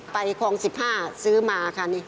คลอง๑๕ซื้อมาค่ะนี่